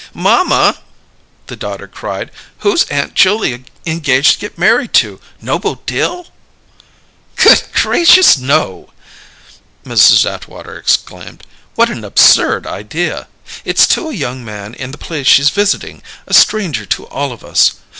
"Mamma!" the daughter cried. "Who's Aunt Julia engaged to get married to? Noble Dill?" "Good gracious, no!" Mrs. Atwater exclaimed. "What an absurd idea! It's to a young man in the place she's visiting a stranger to all of us.